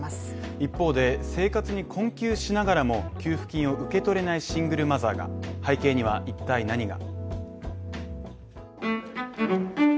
一方で、生活に困窮しながらも、給付金を受け取れないシングルマザーが背景には一体何が。